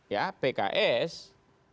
ya pks itu